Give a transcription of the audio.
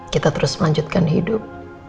kita terus melanjutkan hidup